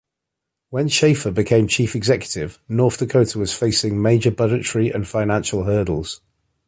When Schafer became chief executive, North Dakota was facing major budgetary and financial hurdles.